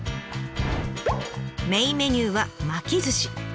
メインメニューは巻き寿司。